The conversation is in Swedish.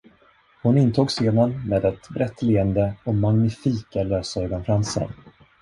Hon intog scenen med ett brett leende och magnifika lösögonfransar.